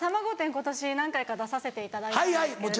今年何回か出させていただいたんですけれど。